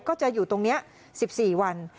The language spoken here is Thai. ก็จะอยู่ตรงนี้๑๔วัน